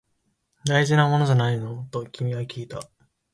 大事なものじゃないの？と君はきいた